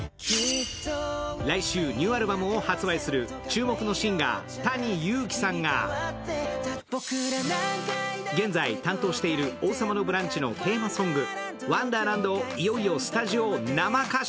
来週ニューアルバムを発売する、注目のシンガー、ＴａｎｉＹｕｕｋｉさんが現在担当している「王様のブランチ」のテーマソング「ワンダーランド」をいよいよスタジオ生歌唱。